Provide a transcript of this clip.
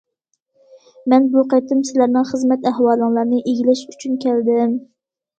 مەن بۇ قېتىم سىلەرنىڭ خىزمەت ئەھۋالىڭلارنى ئىگىلەش ئۈچۈن كەلدىم.